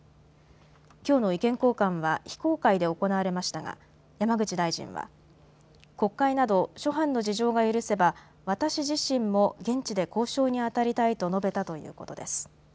きょうの意見交換は非公開で行われましたが山口大臣は国会など諸般の事情が許せば、私自身も現地で交渉にあたりたいと述べたということです。